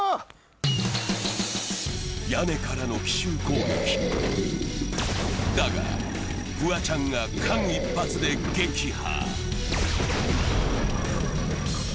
屋根からの奇襲攻撃、だがフワちゃんが間一髪で撃破。